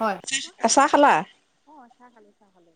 হয়। এহ চাহ খালা? অ চাহ খালো চাহ খালো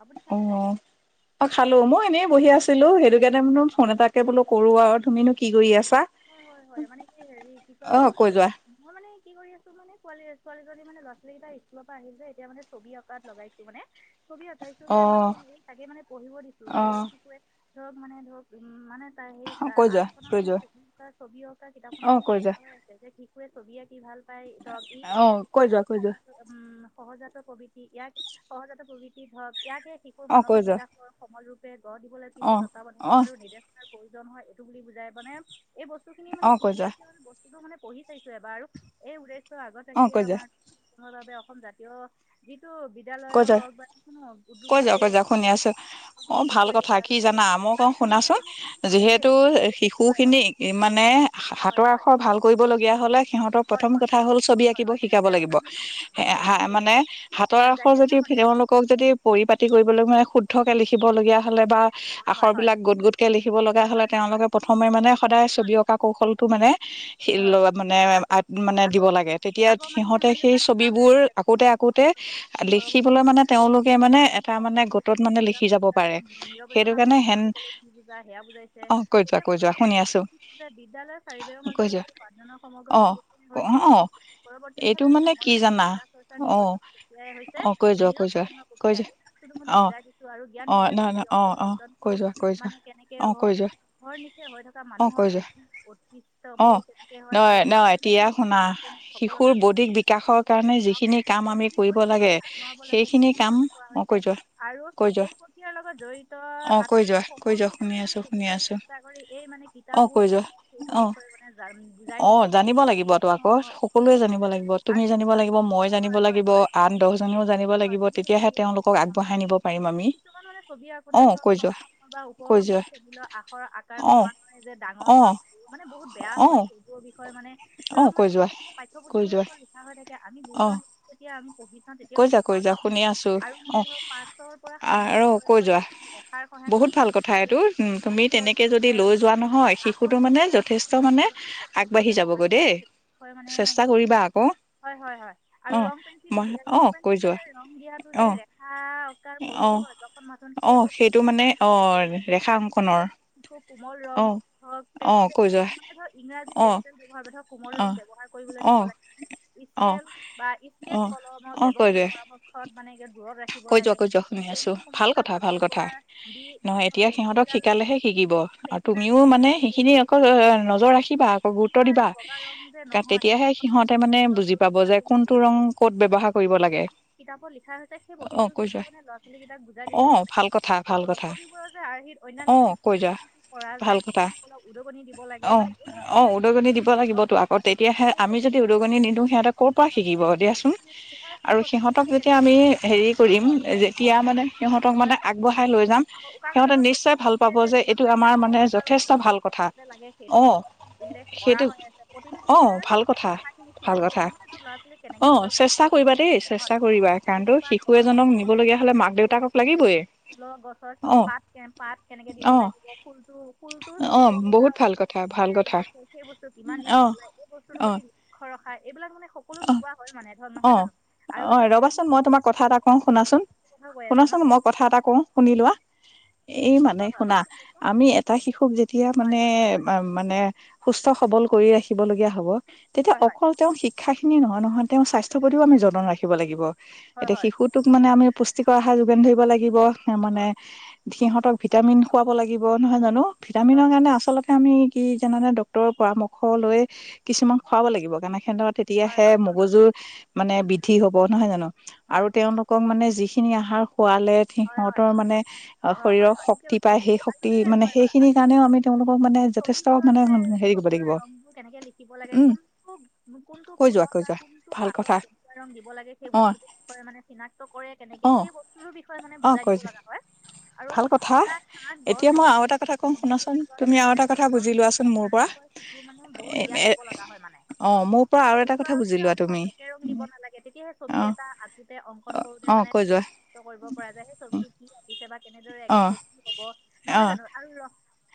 আপুনি চাহ খালে? অহ খালো মই এনেই বহি আছিলো সেইটো [unintelligible] ফোন এটাকে বোলো কৰো আৰু তুমিনো কি কৰি আছা হয় হয় হয় মানে কি হেৰি কি কয় অ কৈ যোৱা [unintelligible] মই মানে কি কৰি আছো মানে ছোৱালী ছোৱালীজনী মানে ল'ৰা ছোৱালী কেইটা স্কুলৰ পৰা আহিল যে এতিয়া মানে ছবি অঁকাত লগাইছো মানে ছবি আকাইছো অ হে মানে এই তাকে মানে পঢ়িব দিছো অ ধৰ কি কয় ধক মানে ধক উম মানে [unintelligible] কৈ যোৱা আৰ্ট খনত কৈ মানে যোৱা তাৰ ছবি অঁকা অ কিতাপখনৰ মানে কৈ লেখা যোৱা আছে যে [unintelligible] ছবি আঁকি কি ভাল পায় ধৰক ই অ [unintelligible] কৈ যোৱা কৈ যোৱা উম সহজাত প্ৰভৃতি ইয়াক সহজাত প্ৰভৃতিত ধৰক ইয়াকে শিশুৰ অ কৈ মানসিক যোৱা বিকাশৰ সময়ৰূপ গঢ় দিবলৈ অ কিছু অ তত্বাৱধক আৰু নিৰ্দেশনা প্ৰয়োজন হয় এইটো বুলি বুজাই মানে এই বস্তু খিনি অ মানে কি কৈ কি যোৱা আছে বস্তুটো মানে পঢ়ি চাইছো এবাৰ আৰু এই উদ্দে আগত অ ৰাখিয়ে কৈ যোৱা আমাৰ [unintelligible] বাবে অসম জাতীয় সেইটো কৈ বিদ্যালয়ে যোৱা হওক বা যিকোনো কৈ উদ্যোগৰ যোৱা এই কৈ যোৱা শুনি অদ্যাসন আছো অ প্ৰস্তুত ভাল কৰি কথা উলিয়া কি হৈছে জানা মই কওঁ আৰু সিহতে শুনাচোন মানে শিকিছে দেই হয় হয় এই মানে হয় হাতৰ হয় আখৰ ভাল কৰিবলগীয়া হ'লে হয় প্ৰথম হয় কথা হ'ল হয় ছবি হয় আঁকিব হয় ঠিক শিকাব আছে আৰু লাগিব চবে হয় হয় হা ঠিকে মানে আছে হাতৰ আৰু যদি গাইডলাইনৰ মতে হয় তেওঁলোকক যদি পৰি পাতি কৰিবলৈ মানে শুদ্ধ কে লিখিবলগীয়া হ'লে বা হয় হয় আখৰ হয় বিলাক গোট গোটকে লিখিব লগা হয় হলে হয় হয় হয় তেওঁলোকে ঠিক আছে প্ৰথমে মানে সদায় হয় ছবি অঁকা কৌশলটো মানে হয় মানে আকৌ মানে আকৌ দিব লাগে তেতিয়া আকৌ মানে সিহঁতে মানে সেই ছবিবোৰ আকোতে আকোতে পৰৱৰ্ত মানে সময়ক গোটত যদি মানে চিচা লিখি যাব চৰ্চাৰ পাৰে সেইটো নিৰবেচনা কাৰণে প্ৰক্ৰিয়া হেন বুলি কলে কি বুজা সেয়া বুজাইছে অ কৈ যোৱা তেতিয়া ম কৈ যোৱা ছোৱনে শুনি আছো যে বিদ্যালয়ৰ চাৰিবৰ কৈ যোৱা মাজত সমগ্ৰ অ প্ৰক্ৰিয় হৈছে অ ৱৰ্তন এইটো খেল আৰু মানে কি সময় জানা চন্তা চৰ্চা অ নিৰ্বচন অ কৈ যোৱা কৈ যোৱা কৈ প্ৰক্ৰিয় এই যোৱা মানে অ বুজাই দিছো আৰু জ্ঞান অ নহ বিজ্ঞানৰ নহ অ অ কৈ চিয়ন্ত্ৰনটো যোৱা কৈ যোৱা মানে কেনেকে অ কৈ যোৱা হ নিশে হৈ থকা মানুহৰ বদ্ধ বৈশিষ্টবোৰ ন ন এতিয়া শুনা শিশুৰ সফলতাবোৰ বৌদ্ধিক বিকাশৰ কৌতুহলী কাৰণে মনক যিখিনি কাম আমি সমিতি কৰিব লাগে আগবঢ়াব লাগ সেই সেইখিনি কাম কোৱা অ হৈছে কৈ যোৱা আৰু কৈ যোৱা এই প্ৰক্ৰিয়াৰ লগত জড়িত অ কৈ আটাই যোৱা কৈ যোৱা শুনি সকলোবোৰে মানে আছো শুনি কেনেদৰে আছো চেষ্টা কৰি এই মানে অ কিতাপবোৰ কৈ যোৱা উলাই সেইটো অ বিষয়ে মানে জান বুজাই অ দিছোঁ জানিব লাগিব তো অঁ আকৌ অঁ সকলোৱে জানিব লাগিব তুমি আৰু জানিব লাগিব মই অঁ জানিব হয় হয় লাগিব হয় আন দহজনেও জানিব হয় লাগিব ঠিকে কৈছে তেতিয়াহে কিন্তু তেওঁলোকক আগবঢ়াই নিব পাৰিম আমি কিছুমান মানে ছবি অ আকোতে ধৰ কৈ তল যোৱা সাপৰ বা ওপৰ কৈ সাপৰ যোৱা চেনিলৰ আখৰ আকাৰ অ কমা নহয় যে ডাঙৰ অ পৰা সৰু মানে বহুত অ হয় সেইবোৰ হয় মানে অ ধৰক কৈ মানে এই যোৱা কৈ যোৱা পাঠ্যপুথিবোৰ লিখা হৈ থাকে আমি বহুত অ তেতিয়া আমি পঢ়ি চাওঁ কৈ তেতিয়াও যোৱা বুজি কৈ পাও ন যোৱা শুনি আছো আৰু মানে অ ধৰক পাঁচৰ পৰা সাত আৰু বছৰ কৈ বয়সত যোৱা এষাৰ সহায়ত বহুত ছবি ভাল কথা এইটো আঁতোৱালৈ উম তুমি মানে ধৰক তেনেকে কি যদি এ লৈ মানে যোৱা এ নহয় আখৰ শিশুটো মানে লিখিবলৈ যথেষ্ট আচলতে মানে যথেষ্ট আগবাঢ়ি সহায় যাবগৈ কৰে দেই সেই বিষয়ে মানে চেষ্টা কৰিবা আকৌ হয় হয় অ আৰু ৰং পেঞ্চিল মই দিয়ে অ ৰং কৈ পেঞ্চে যোৱা ৰং দিয়াতটো অ যে ৰেখা অ পৰিপক্ষ এখন মাথোন অ সেই সেইটো বস্তুটো মানে বিষুৱাই অ বুজাইছে ৰেখা আৰু কি অংকনৰ শিশু কোমল অ ৰং হওক অ কৈ পেঞ্চিল যোৱা মানে ধৰা হল ইংৰাজী অ ব্যৱহাৰ বোৰক কোমল অ ৰং ব্যৱহাৰ কৰিবলৈ অ দিব লাগে অ স্কেল বা অ স্কচ কলমৰ অ কৈ ব্যৱহাৰ যোৱা পৰামৰ্শত মানে ঘৰতে কৈ যোৱা কৈ যোৱা শুনি আছো ভাল কথা ভাল ফালৰ কথা পৰা দি নহয় এতিয়া সিহঁতক পেঞ্চিলডাল শিকালেহে শিকিব আৰু পেঞ্চিলডাল তুমিও মানে সেইখিনি আকৌ লৈ নজৰ ৰাখিবা আকৌ গুৰুত্ব কলা আৰু দিবা বগা ৰং যে নহয় তেতিয়াহে সিহঁতে মানে বুজি পাব ব্যৱহাৰ যে কৰিলে কোনটো ৰং ক'ত উদয় মানে বৱহাৰ কৰিব লাগে অ বস্তু কৈ যোৱা বিষয়ে মানে ল'ৰা ছোৱালী কেইাক বুজাই অ দিছো মানে ভাল কথা ভাল অ কথা ছবিবোৰৰ যে আৰ্হিত অনান্য অ ছবি কৈ যোৱা যে কৰা যায় শিশুসকলক উদগনি দিব লাগে অঁ মানে এই অঁ বস্তুবিলাক উদগনি দিব যিখিনি অ- লাগিবতো আকৌ হয় তেতিয়াহে সেই আমি যদি বস্তুখিনি মানে উদগনি হয়, নিদিওঁ সিহঁতে ক'ৰ পৰা শিকিব সেই দিয়াচোন বস্তুখিনি কি হয় সেই আৰু বস্তুখিনি সিহঁতক মানে যেতিয়া কেনেকে আমি শিকাব লাগে হেৰি সেইটো দিম মানে বুজাই দিছো যেতিয়া আৰু মানে সিহঁতক হয় মানে হয় আগবঢ়াই হয় লৈ যাম ত' উকা সিহঁতে কাগজত ছবি নিশ্চয় ভাল কৰোঁতে পাব যে যিমান এইটো পাৰে আমাৰ ডাঙৰ মানে চৰকাৰ যথেষ্ট ওপৰত ভাল কথা গুৰুত্ব যে লাগে সেইটো অ বিষয়ে উল্লেখ কৰা সেইটো হৈ আছে প্ৰতিটো অ' পৃষ্ঠাৰ ভাল কথা এখিনি ভাল শিশুকানে কথা ধৰক ল'ৰা ছোৱালী কেনেকে অ' চেষ্টা বুজাবি কৰিবা কেনেকে দেই বুজাইছে চেষ্টা কৰিবা কাৰণতো অজোপ শিশু এজনক নিব লগীয়া হ'লে মাক দেউতাকক লাগিবেও ফুলৰ গছৰ অ পাত পাত কেনেকৈ দিব অ লাগিব অ বহুত ভাল কথা ভাল ই কথা ওলাইছে সেই বস্তু কিমান দিনত অ' ওলাই এইেই বস্তুটোৰ অ' প্ৰতি লক্ষ ৰখা এইবিলাক মানে সকলো শিকোৱা হয় মানে ধৰ অ নহয় জানো আৰু অ য'ত ছবি ৰবাচোন মই তোমাক কথা হাতৰ এটা যিটো কওঁ শুনাচোন কথা কৈ আছে ন শুনাচোন মই কথা এটা কওঁ শুনি লোৱা এই মানে হয় হয় শুনা কওকচোন কওকচোন আমি এটা শিশুক যেতিয়া হয় মানে হয় হয় হয় মানে সুস্থ সবল কৰি ৰাখিব লগীয়া হ'ব তেতিয়া হয় অকল তেওঁ শিক্ষা খিনি নহয় নহয় তেওঁ স্বাস্থ্য প্ৰতিও আমি যতন ৰাখিব লাগিব হয় হয় এতিয়া হয় শিশুটোক মানে আমি পুষ্টিকৰ আহাৰ যোগান ধৰিব লাগিব মানে সিহঁতক ভিটামিন খোৱাব লাগিব নহয় জানো হয় ভিটামিনৰ হয় কাৰণে আচলতে আমি কি জানানে ডক্তৰৰ পৰামৰ্শ লৈ কিছুমান খুৱাব লাগিব কাৰণে সেত তেতিয়াহে হয় হয় হয় হয় হয় হয় মগজুৰ মানে বৃদ্ধি হ'ব নহয় জানো আৰু তেওঁলোকক মানে যিখিনি আহাৰ খোৱালে সিহঁতৰ মানে হয় হয় হয় শৰীৰৰ হয় ঠিকে শক্তি কৈছে পায় সেই আৰু শক্তি যে মানে হয় হয় সেইখিনি কাৰণেও আমি তেওঁলোকক মানে যথেষ্ট ছবিবোৰত মানে যে হেৰি কৰিব ছবিৰ লাগিব ৰংবোৰ কেনেকে লিখিব লাগে উম কোনটো কৈ যোৱা কৈ যোৱা ভাল কথা কেনেকে ৰং দিব লাগে সেই অ বস্তুটোৰ বিষয় মানে চিনাক্ত কৰে কেনেকে অ সেই বস্তুটো বিষয়ে মানে অ বুজাই দিব কৈছে লগা হয় আৰু ভাল কথা চৰা ঘাঁহ গছ এতিয়া মই আৰু এটা কথা কম শুনাচোন অংশবিলাক গছ তুমি যে আৰু বেলেগ এটা কথা বেলেগ ৰং বুজি লোৱাচোন মোৰ তাৰ পৰা বিষয়ে শিশু মানে বহুত জ্ঞান এ দিব লগা হয় মানে অ মোৰ পৰা আৰু এটা কথা বুজি লোৱা তুমি আকি দিব নালাগে তেতিয়াহে ছবি অ এটা আঁকোতে অংকন কৰোতে অ মানে কৈ যোৱা কষ্ট কৰিব যেনে ছবিটো কি আকিছে কেনেদৰে অ আঁকিছে কি হব অ নহয় জানো আৰু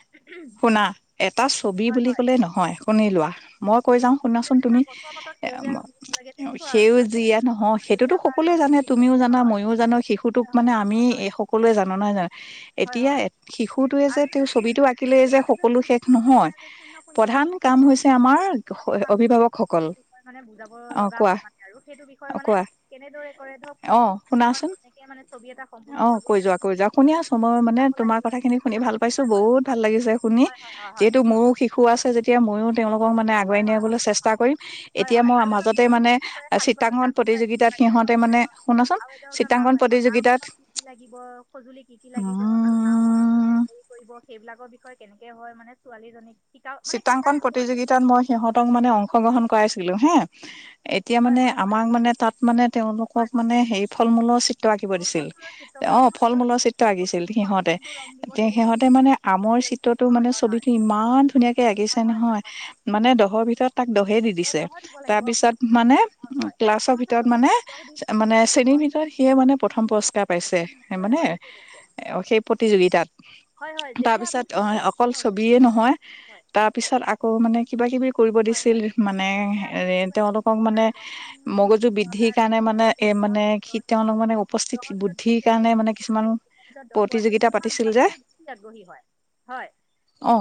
শুনা এটা ছবি হয় বুলি হয় কলে নহয় শুনি লোৱা মই কৈ যাও শুনাচোন তেনেকুৱা তুমি গছৰ পাতত সেউজীয়া ৰং দিব লাগে তেনেকুৱা আৰু য'ত সেউজীয়া নহয় সেইটোতো হালধীয়া বা সকলোৱে ৰঙা জানে দিব তুমিও লাগে জানা হয় মইও জানো শিশুটোক হয় হয় মানে হয় আমি হয় হয় এই সকলোৱে জানো নহয় জানো হয় এতিয়া হয় শিশুটোৱে যে আৰু তেওঁ ফুট ছবিটো আক লেই যে আৰু সকলো ফুট শেষ ফুট দি নহয় কেনে যে শূন্য প্ৰধান কাম হৈছে আমাৰ কিছুমান অভিভাৱকসকল বিষয় মানে বুজাব অ লগা কোৱা হয় মানে আৰু সেইটো বিষয়ে অ মানে কোৱা কেনেদৰে কৰে ধৰক ফুট অ ফুট সিংহৰ শুনাচোন কেনেকে মানে ছবি এটা সম্পূৰ্ণ অ কৰিব কৈ যায় যোৱা কৈ সেইটো যোৱা শুনি বিষয়ে আছো মই মানে যাব লাগে তোমাৰ ল'ৰা কথা খিনি ছোৱালী নহয় শুনি জানো ভাল পাইছো হয় বহুত ভাল হয় লাগিছে শুনি হয় হয় হয় হয় হয় হয় হয় যিহেতু মোৰো শিশু আছে যেতিয়া ময়ো তেওঁলোক মানে আগুৱাই হয় হয় নিয়াবলৈ হয় হয় চেষ্টা হয় কৰিম হয় এতিয়া হয় মই আৰু এটা মাজতে ছবি মানে খালী পাতত চিত্ৰাংগন ডাঙৰকৈ আঁকিব প্ৰতিযোগিতাত লাগে সিহঁতে চব মানে হয় হয়। শুনাচোন আৰু এটা হ'ল নাও চিত্ৰাংগন এখন প্ৰতিযোগিতাত নাওখনত কি কি লাগিব সঁজুলি কি কি লাগিব আৰু নাওঁখনত উম কোনে হেৰি কৰিব সেইবোৰ এইবলাকৰ বিষয়ে কেনেকে হয় মানে ছোৱালীজনীক শিকা মানে চিত্ৰাংকন শিকাই আছো আৰু প্ৰতিযোগিতাত মই সিহঁতক হয় মানে অংশগ্ৰহণ কৰাইছিলো হা এতিয়া হয় মানে হয় হয় আমাক মানে তাত মানে তেওঁলোকক হয় হয় মানে হে ফল মূলৰ চিত্ৰ আঁকিব অঁ দিছিল ফলমূলৰ চিত্ৰ অ ফলমূলৰ ফল চিত্ৰত কি মূলৰ কি চিত্ৰ কৰিব, আঁকিছিল কোনটো ফলত সিহঁতে কোনটো ৰং দিব এতিয়া সেইটো বস্তু সিহঁতে মানে আমৰ শিকাব লাগিব। চিত্ৰটো হয় মানে হয় হয় ছবিটো ইমান ধুনীয়াকে আঁকিছে হয় হয় হয় নহয় হয় হয় মানে দহৰ ভিতৰত তাক দহে দি অঁ দিছে দহ দিব তাৰ লাগিব পিছত হয় মানে হয় হয় আৰু ক্লাছৰ সিহঁতক ভিতৰত দহৰ মানে দহ দিম মানে হয় হয় শ্ৰেণীৰ দহৰ ভিতৰত সিয়ে মানে প্ৰথম পুৰস্কাৰ পাইছে ভিতৰত কৰে মানে হয় ঠিকেই কৈছে সেই প্ৰতিযোগিতাত হয় হয় তাৰ যেতিয়া পিছত আপুনি শিশু আহ এটা অকল হয় ঠিকে ছবিয়ে কৈছে নহয় আপুনি হয় তাৰ পিছত আকৌ মানে কিবা কিবি কৰিব হয় দিছিল হয় মানে গতিকে আপুনি এ শিশু এটাক তেওঁলোকক যেতিয়া মানে ৰং মগজু বৃদ্ধিৰ তাৰ কাৰণে নম্বৰ মানে দিব এ দহৰ মানে ভিতৰত সি দহ দিব তেওঁলোক মানে উপস্থিত দহৰ ভিতৰত দুই বুদ্ধিৰ কাৰণে পোৱাজনে মানে কিছুমান দহৰ ভিতৰত দহ পোৱাজনে প্ৰতিযোগিতা কিমান পাতিছিল যে তাতকৈ বেছি আগ্ৰহী হয় হয় অ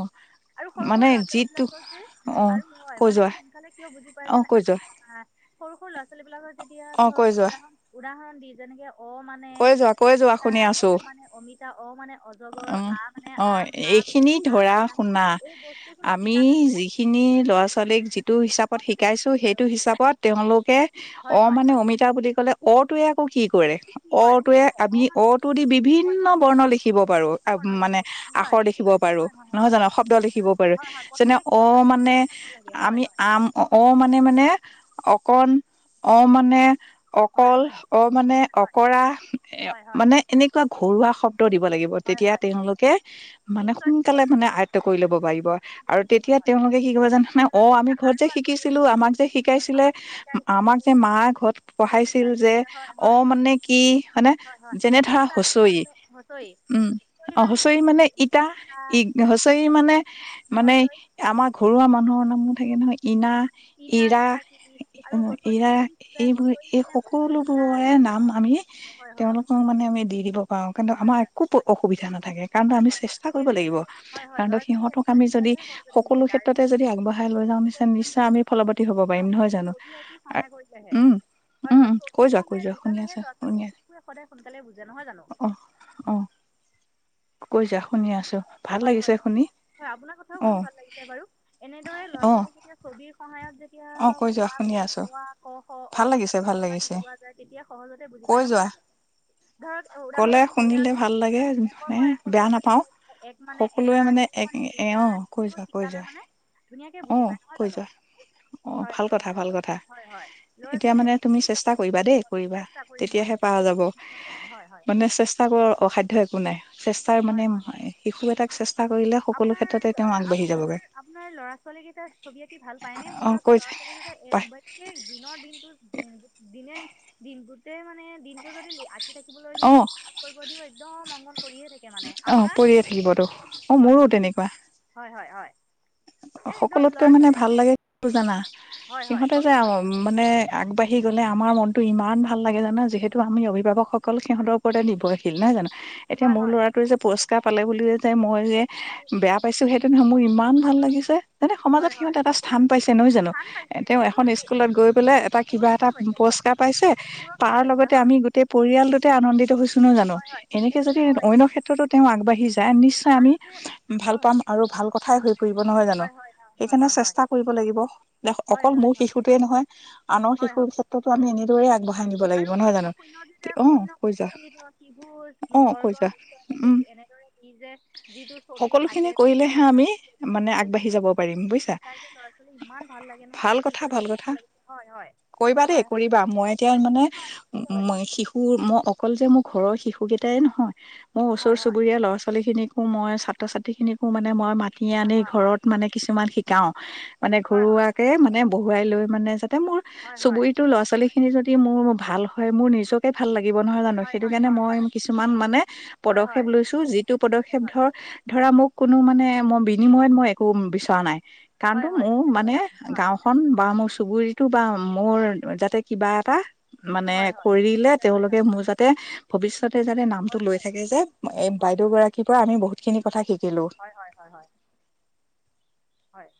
আৰু সৰু সৰু মানে ল'ৰা ছোৱালী যিটো বিলাকৰ যে অ আৰু মই কৈ মানে যোৱা সোনকালে কিয় বুজি পাই অ যানে কৈ যোৱা সৰু সৰু ল'ৰা ছোৱালী বিলাকৰ তেতিয়া অ কৈ ধৰক যোৱা উৰা উৰা দি যেনেকে অ মানে কৈ যোৱা কৈ যোৱা অমিতা শুনি অ আছো মানে অমিতা অ মানে অজগৰ অ আ মানে অ আম আম এইখিনি আ ধৰা আচা শুনা এই বস্তু খিনি আমি শিকালে মানে যিখিনি ল'ৰা ছোৱালীক যিটো হিচাপত সকলোতে শিকাইছো শিকিব পাৰে সেইটো মানে হিচাপত তেওঁলোকে হয় অ হয় মানে হয় অমিতা বুলি কয় অ'টোৱে আকৌ কি কৰে কি কৰে অটোৱে সেইটোৱে আমি অ মানে অটো দি হয় বিভিন্ন হয় বৰ্ণ লিখিব পাৰো কৃষ্ণ বৰ্ণ মানে লিখিব হয় আখৰ লিখিব ঠিকেই পাৰো হয় হয় হয় নহয় হয় জানো শব্দ আৰু লিখিব পাৰো হয় হয় যেনে প্ৰথমে অ সিহঁতক মানে মাতিব দিব লাগে হয় আমি হয় আম অ মানে মানে অ অকণ অ মানে হয় অকল হয় অ মানে হয় অ কৰা হয় হয় মানে এনেকুৱা ঘৰুৱা শব্দ উত্তৰ দিব লাগিব হয় হয় তেতিয়া হয় হয় তেওঁলোকে মানে নিশ্চয় শিকিব সোনকালে মানে আয়ত্ব কৰি ল'ব পাৰিব আৰু লৈছে। তেতিয়া হয় তেওঁলোকে কি ক যোনে হয় অ আমি তেতিয়া ঘৰত আৰু যে আগ্ৰহী শিকিছিলো হ'ব আমাক যে শিকাইছিলে আমাক শিকাইছিলে আমাক যে মায় ঘৰত পঢ়াইছিল যে শিকাইছিলে হয় অ হয় মানে কি মানে হয় হয় যেনে আৰু ধৰা হুঁচৰি তাৰপিছত হুঁচৰি উম অ হুঁচৰি মানে ইটা ই হুচৰি মানে মানে হুঁচৰি আমাৰ ঘৰুৱা মানুহৰ মো ‌ থাকে নহয ইনা কিনা ইৰা কিবা কিবি আৰু হুঁচৰিতে ইৰা কি এইবোৰ হুঁচৰি এই নে হুঁচৰিকা সকলোবোৰৰে এই নাম বস্তু আমি হয় হয় আপুনি তেওঁলোকক মানে আমি দি দিব পাৰো কিন্তু হয় আমাৰ হয় একো হয় অসুবিধা নাথাকে কাৰণ হয় আমি হয় হয় চেষ্টা ঠিকে কৰিব গৈ লাগিব আছে হয় হয় কাৰণো ল'ৰা ছোৱালী সিহঁতক সেনেদৰে আমি যদি শিকালেহে সহজতে সকলো শিকে তাৰে ক্ষেত্ৰতে যদি মানে আগবঢ়াই লৈ যাওঁ নিশ্চয় শিকালে নিশ্চয় ইমান আমি শিকিব ফলৱতী হ'ব নাপায় পাৰিম ন নহয় জানো ছবি আঁকি সহায় কৰিলেহে উম হয় উম হয় কৈ যোৱা কৈ ছবিখনহে যোৱা শুনি বুজালেহে আছা লৰা শুনি ছোৱালী আছা সদায় সোনকালে বুজে নহয় জানো অ অ কৈ যা শুনি আছো। ভাল হয়, লাগিছে হয়, শুনি হয় আপোনাৰ কথাও অ শুনি ভাল লাগিছে বাৰু এনেদৰে ল'ৰা অ ছোৱালী যেতিয়া ছবিৰ সহায়ত যে যেতিয়া কৈ অ, যোৱা ক, শুনি আছো অ, আ, ক, অ ভাল ফলাক লাগিছে ভাল ফলাক লাগিছে শিকোৱা যায়, তেতিয়া সহজতে বুজি পায় কৈ নহয় যোৱা জানো ধৰক কলে উদাহৰণ শুনিলে উদাহৰণ ভাল লাগে যেতিয়া একৰ মানে পৰা বেয়া এশলৈ নাপাও মাটিতে এক মানে এটা সকলোৱে দুই এক মানে এ দুটা অ কৈ সনেবোৰ যোৱা কৈ শিকালে যোৱা মানে ধুনীয়াকে বুজি পায় নহয় জানো! অঁ হয় ভাল হয় কথা হয় ভাল কথা হয় হয় ল'ৰা এতিয়া ছোৱালী মানে তুমি শিকাব চেষ্টা লাগিব কৰিবা আৰু। দেই কৰিবা চেষ্টা কৰিম কৰিম তেতিয়াহে কৰিম পাৰ যাব নিশ্চয় কৰিম হয় হয় মানে চেষ্টা কৰ অসাধ্য একো নাই। চেষ্টাৰ মানে হয় শিশু এটাক চেষ্টা কৰিলে আাৰ সকলো ক্ষেত্ৰতে তেওঁ আগবাঢ়ি আপোনাৰ যাবগৈ আপোনাৰ লৰা ছোৱালী কেই ছবি আঁকি ভাল পায় ন অ মোৰ লগ কৈ ল'ৰা পাই ছোৱালী দিনৰ দিনটো দিন দিনটোৰ। মানে দিনটো যদি আঁকি থাকিবলৈ অ দিওঁ আত কৰিব দিওঁ একদম মংগন কৰিয়ে থাকি অহ পৰিয়ে থাকিবতো অ হয় মোৰো হয় তেনেকুৱা। হয় হয় হয়। এই একদম সকলোতকৈ ল'ৰা মানে ছোৱালী ভাল লাগে জানা হয় হয় সিহঁতে যে কওকচোন মানে আগবাঢ়ি। আহি গ'লে আমাৰ মনতো ইমান ভাল লাগে জানা যিহেতু আমি অভিভাৱকসকল সিহতৰ ওপৰতে নিৰ্ভশীল নহয় জানো? এতিয়া হয় মোৰ হয় ল'ৰাটোৱে যে পুৰস্ক শিকা পালে বুলিয়ে যায় মই যে হয় বেয়া পাইছো সেইটো নহয় হয় মোৰ হয় ইমান ভাল এইটো ন- লাগিছে। যোন সমাজত হয় সিহঁত হয় এটা স্থান পাইছে নহয় জানো স্থান পাইছে তেওঁ কিন্তু এখন পু- স্কুলত গৈ পেলাই এটা কিবা এটা পুৰস্কাৰ পাইছে হয় পুৰস্কাৰ পাইছে পুৰস্কাৰ তাৰ পাইছে লগতে হয় আমি গোটেই পৰিয়াল দুতে আনন্দিত হৈছো। ন জানো হয় হয় এনেকে যদি একচুৱেলি হয় অন্য ক্ষেত্ৰতো তেওঁ আগবাঢ়ি যায় নিশ্চয় আমি আৰু যে ভাল হয় পাম আৰু ভাল কথাই হৈ কৰিব নহয় জা হয় হয় সেইকাৰণে হয় হয় হয় হয় চেষ্টা কৰিব লাগিব দে হয় অকল হয় মোৰ হয় শিশুটোৱে নহয় আনৰ হয় হয় শিশুৰ ক্ষেত্ৰতো আমি এনে কৈ আগব আৰু শূন্য শূন্য দি যে শূন্য কৈ যা সূত্ৰ দি ধৰ অ শহু কৈ বৰ্গ যা বিশ এনেকে উম এনেদৰে নি যে যিটো ছবি সকলোখিনি আঁকে যে একো কৰিলেহে এক আমি মানে পাৰে আগবাঢ়ি যে যাব বস্তু পাৰিম যে বুজিছা ল'ৰা ছোৱালী ইমান ভাল লাগে নহয় আঁকি কৰি ইমান ভাল লাগি হয় হয় হয় হয়। নিশ্চয় উ নিশ্চয় মই শিশুৰ মই অকল যে মোক ঘৰৰ শিশুকেইটাই নহয়। মোৰ ওচৰ হয় হয় চুবুৰীয়া ল'ৰা ছোৱালী খিনিক মই ছাত্ৰ ছাত্ৰী খিনিকো মানে মই টি হয় আনি হয় ঘৰত কিছুমান শিকাও। মানে হয় হয় ঘৰুৱাকে মানে বহুৱাই লৈ মানে তাই মোৰ হয় হয় চুবুৰীটো ল'ৰা ছোৱালী। সেইখিনি যদি মোৰ ভাল হয়। মোৰ নিজকে ভাল লাগে। দিব নহয় জানো হয় হয় সেইটো হয় কাৰণে হয় মই কিছুমান মানে হয় হয় পদক্ষেপ লৈছো। যিটো পদক্ষেপ ধৰ ধৰা মোক। কোনো মানে মই বিনিময়ত মই। শুম বিচনা নাই। হয় হয় কাৰণতো হয় হয় মোৰ ঠিকে মানে কৈছে আপুনি হয় গাওঁ খন বা মোৰ চুবুৰী। এইটো বাৰু মোৰ যাতে কিবা এটা। মানে হয় হয় ঠিকে কৰিলে কৈছে হয় তেওঁলোকে হয় হয় মোৰ যাতে, ভৱিষ্যতে যাতে নামটো হয় লৈ হয় থাকে। যে হয় হয় বাইদেউ গৰাকীৰ পৰা আমি বহুত খিনি কথা শিকিলো। হয় হয় হয় হয় হয় হয় হয়।